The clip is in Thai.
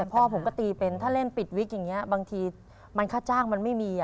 พ่อผมก็ตีเป็นถ้าเล่นปิดวิกอย่างนี้บางทีมันค่าจ้างมันไม่มี